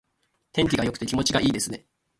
天気が良くて気持ちがいいですね。